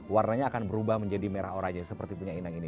warnanya akan berubah menjadi merah oraja seperti punya inang ini